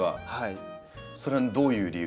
それはどういう理由でですか？